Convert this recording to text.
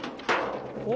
お！